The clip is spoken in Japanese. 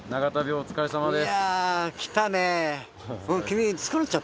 お疲れさまです